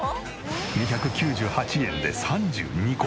２９８円で３２個！